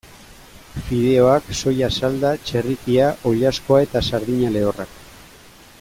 Fideoak, soia salda, txerrikia, oilaskoa eta sardina lehorrak.